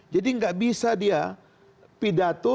jadi nggak bisa dia pidato